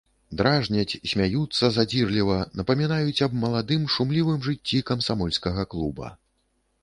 Дражняць, смяюцца задзірліва, напамінаюць аб маладым, шумлівым жыцці камсамольскага клуба.